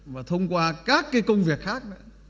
và thông qua các công việc khác